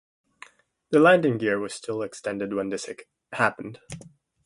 The landing gear was still extended when this happened.